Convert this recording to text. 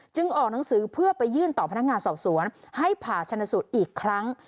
ออกหนังสือเพื่อไปยื่นต่อพนักงานสอบสวนให้ผ่าชนสูตรอีกครั้ง